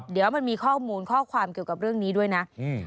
เดี๋ยวมันมีข้อมูลข้อความเกี่ยวกับเรื่องนี้ด้วยนะ